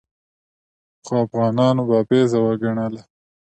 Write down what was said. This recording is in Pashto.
خو افغانانو بابیزه وګڼله.